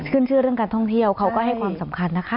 ชื่อเรื่องการท่องเที่ยวเขาก็ให้ความสำคัญนะคะ